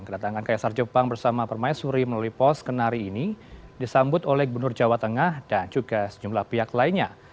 kedatangan kaisar jepang bersama permaisuri melalui pos kenari ini disambut oleh gubernur jawa tengah dan juga sejumlah pihak lainnya